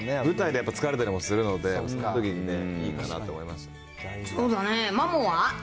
舞台でやっぱ疲れたりもするので、そのときにいいかなと思いそうだね。